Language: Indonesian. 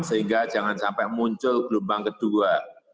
sehingga jangan sampai muncul gelombang kedua